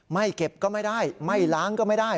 ไม่เก็บก็ไม่ได้ไม่ล้างก็ไม่ได้